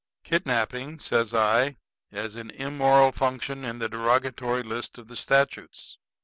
"Kidnapping," says I, "is an immoral function in the derogatory list of the statutes.